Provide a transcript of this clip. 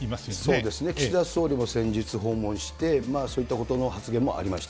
そうですね、岸田総理も先日、訪問して、そういったことの発言もありました。